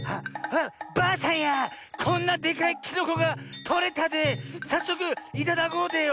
ばあさんやこんなでかいきのこがとれたでさっそくいただこうでよ。